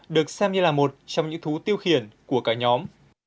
được xem như là một trong những thú tiêu khiển của cả nhóm